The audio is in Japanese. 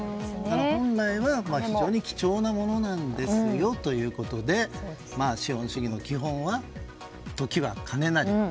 本来は、非常に貴重なものなんですよということで資本主義の基本は、時は金なり。